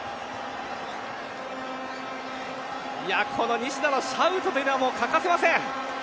この西田のシャウトというのは欠かせません。